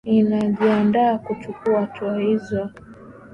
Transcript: inajiandaa kuchukua hatua hizo